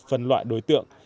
phân loại đối tượng